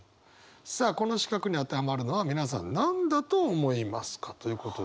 さあこの四角に当てはまるのは皆さん何だと思いますかということで。